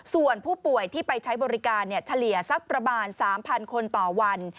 ส่วนผู้ป่วยที่ไปใช้บริการเฉลี่ยสักประมาณ๓๐๐คนต่อวัน